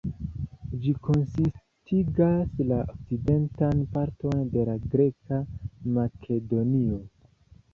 Ĝi konsistigas la okcidentan parton de la greka Makedonio.